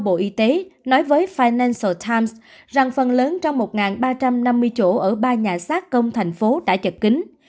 bộ y tế nói với financal times rằng phần lớn trong một ba trăm năm mươi chỗ ở ba nhà xác công thành phố đã chật kính